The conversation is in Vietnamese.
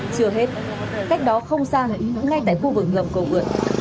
chừa hết cách đó không xa ngay tại khu vực ngầm cầu vượn